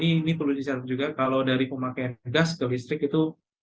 ini perlu dicatat juga kalau dari pemakaian gas ke listrik itu